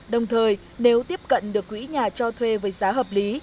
đồng thời nếu tiếp cận được quỹ nhà cho thuê với giá hợp lý